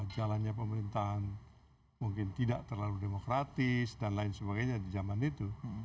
jalannya pemerintahan mungkin tidak terlalu demokratis dan lain sebagainya di zaman itu